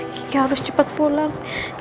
kiki harus cepat pulang